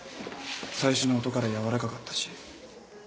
最初の音からやわらかかったし。